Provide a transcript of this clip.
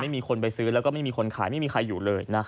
ไม่มีคนไปซื้อไม่มีช่วยใครอยู่